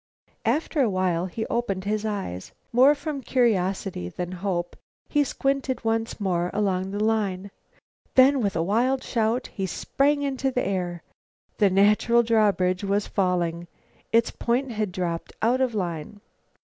After a while he opened his eyes. More from curiosity than hope, he squinted once more along the line. Then, with a wild shout, he sprang into the air. The natural drawbridge was falling. Its point had dropped out of line.